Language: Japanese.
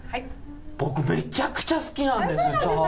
僕めちゃくちゃ好きなんですよチャーハン。